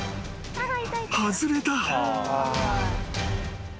［外れた］